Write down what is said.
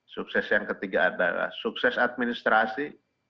sukses yang ketiga adalah sukses administrasi